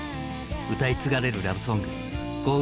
歌い継がれるラブソングＧＯ！